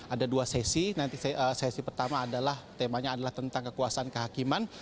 ada dua sesi nanti sesi pertama adalah temanya adalah tentang kekuasaan kehakiman